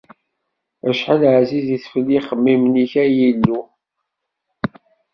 Acḥal ɛzizit fell-i ixemmimen-ik, ay Illu.